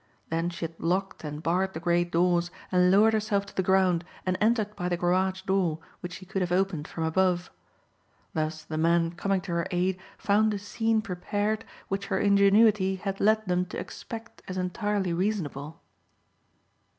Then she had locked and barred the great doors and lowered herself to the ground and entered by the garage door which she could have opened from above. Thus the men coming to her aid found a scene prepared which her ingenuity had led them to expect as entirely reasonable.